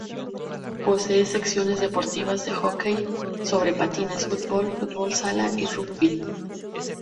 Posee secciones deportivas de hockey sobre patines, fútbol, fútbol sala y rugby.